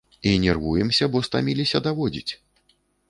І нервуемся, бо стаміліся даводзіць!